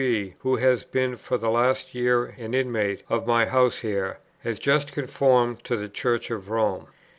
B., who has been for the last year an inmate of my house here, has just conformed to the Church of Rome.